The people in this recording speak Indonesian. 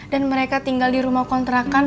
dan mereka tinggal di rumah kontrakan